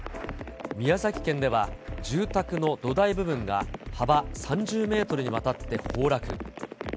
宮崎県では、住宅の土台部分が幅３０メートルにわたって崩落。